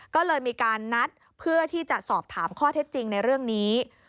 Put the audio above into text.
ก็เลยมีการนัดเพื่อที่จะสอบถามข้อเท็จจริงในเรื่องนี้